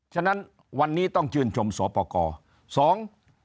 ฉะนั้นวันนี้ต้องชื่นชมสอปกรสอง